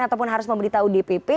ataupun harus memberitahu dpp